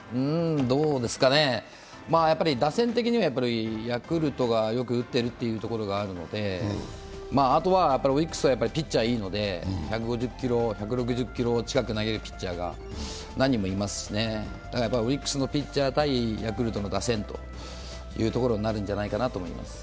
どうですかね、打線的にはヤクルトがよく打ってるというところがあるのであとはオリックスはピッチャーがいいので、１６０キロ近く投げるピッチャーが何人もいますしね、オリックスのピッチャー対ヤクルトの打線ということになるんじゃないかと思います。